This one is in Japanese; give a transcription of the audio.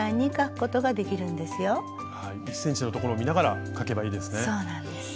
１ｃｍの所を見ながら書けばいいですね。